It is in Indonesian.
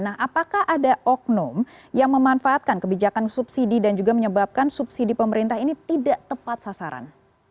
nah apakah ada oknum yang memanfaatkan kebijakan subsidi dan juga menyebabkan subsidi pemerintah ini tidak tepat sasaran